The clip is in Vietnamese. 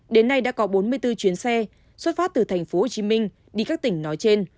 đến nay đã có bốn mươi bốn chuyến xe xuất phát từ tp hcm đi các tỉnh nói trên